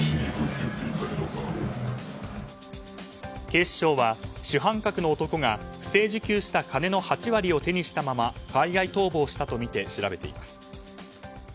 警視庁は、主犯格の男が不正受給した金の８割を手にしたまま海外逃亡したとみて調べています。